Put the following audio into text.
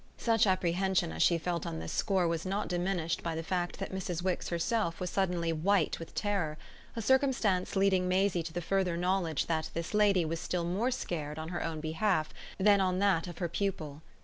Such apprehension as she felt on this score was not diminished by the fact that Mrs. Wix herself was suddenly white with terror: a circumstance leading Maisie to the further knowledge that this lady was still more scared on her own behalf than on that of her pupil.